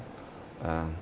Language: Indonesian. betapa kita harus bangga